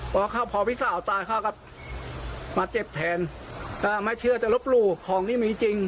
เพราะว่าพอพี่สาวตายครับมาเจ็บแทนถ้าไม่เชื่อจะลบหลู่ของที่มีจริง